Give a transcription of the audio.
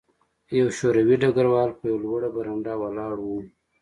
یو شوروي ډګروال په یوه لوړه برنډه ولاړ و